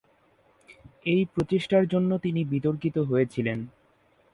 এই প্রচেষ্টার জন্য তিনি বিতর্কিত হয়েছিলেন।